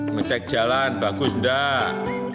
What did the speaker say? ngecek jalan bagus enggak